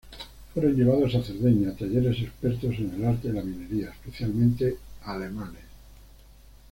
Fueron llevados a Cerdeña talleres expertos en el arte de la minería, especialmente alemanes.